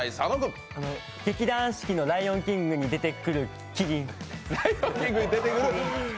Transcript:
劇団四季の「ライオン・キング」に出てくるキリン。